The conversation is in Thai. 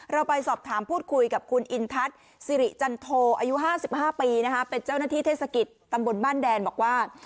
เราไปสอบถามพูดคุยกับคุณอินทัศน์สิริจันโทอายุ๕๕ปีเป็นเจ้าหน้าที่เทศกิจตำบลบ้านแดนบอกว่า